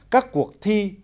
các cuộc thi